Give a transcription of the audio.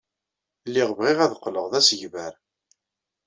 Lliɣ bɣiɣ ad qqleɣ d asegbar.